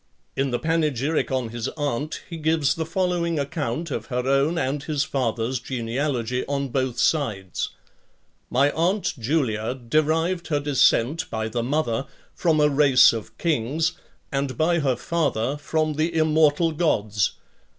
In the panegyric on his aunt, he gives the following account of her own and his father's genealogy, on both sides: "My aunt Julia derived her descent, by the mother, from a race of kings, and by her father, from the Immortal Gods.